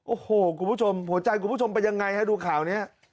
โอ้โหคุณผู้ชมหัวใจคุณผู้ชมเป็นยังไงฮะดูข่าวนี้